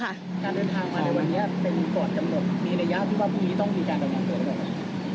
การเดินทางมาในวันนี้เป็นก่อนกำหนดมีระยะที่ว่าพรุ่งนี้ต้องมีการระวังตัวหรือเปล่าครับ